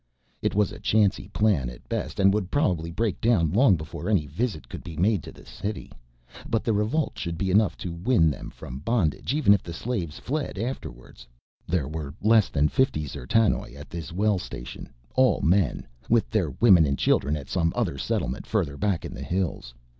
It was a chancy plan at best, and would probably break down long before any visit could be made to the city. But the revolt should be enough to free them from bondage, even if the slaves fled afterwards. There were less than fifty D'zertanoj at this well station, all men, with their women and children at some other settlement further back in the hills.